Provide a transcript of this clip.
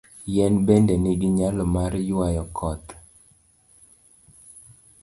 Yien bende nigi nyalo mar ywayo koth.